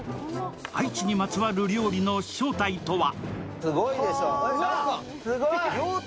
愛知にまつわる料理の正体とは。